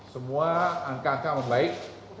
semua angka angka membaik